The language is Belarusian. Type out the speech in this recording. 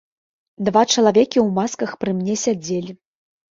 Два чалавекі ў масках пры мне сядзелі.